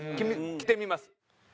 着てみます。